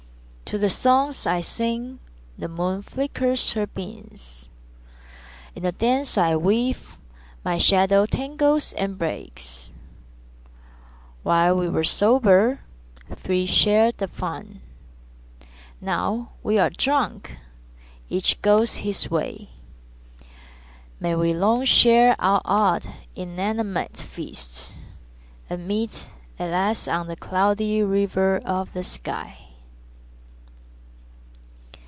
To the songs I sing the moon flickers her beams; In the dance I weave my shadow tangles and breaks. While we were sober, three shared the fun; Now we are drunk, each goes his way. May we long share our odd, inanimate feast, And meet at last on the Cloudy River of the sky.